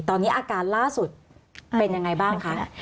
ตอนนี้อาการล่าสุดเป็นยังไงบ้างคะ